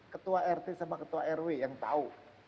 ketua rt sama ketua rw yang tahu